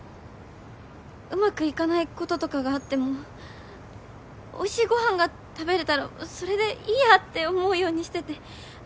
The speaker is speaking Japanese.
うまくいかないこととかがあってもおいしいご飯が食べれたらそれでいいやって思うようにしてて。